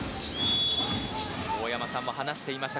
大山さんも話していました